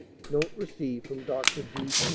[Note received from Dr. D.